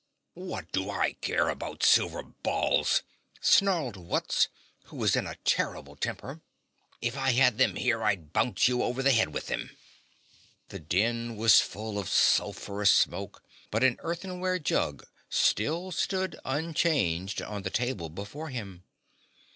"What do I care about silver balls?" snarled Wutz, who was in a terrible temper. "If I had them here I'd bounce you over the head with them." The den was full of sulphurous smoke, but the earthenware jug still stood unchanged on the table before him.